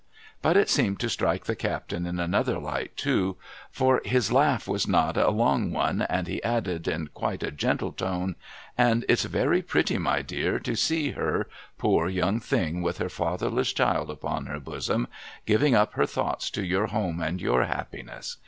But it seemed to strike the captain in another light too ; for his laugh was not a long one, and he added, in quite a gentle tone, — 'And it's very pretty, my dear, to see her— poor young thing, with her fatherless child upon her bosom — giving up her thoughts to your home and your happiness.